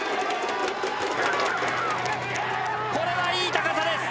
これはいい高さです。